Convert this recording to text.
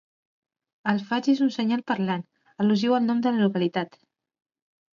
El faig és un senyal parlant, al·lusiu al nom de la localitat.